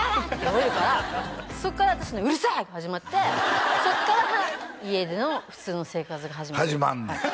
ほえるからそっから私の「うるさい！」が始まってそっから家での普通の生活が始まるんです始まんねん？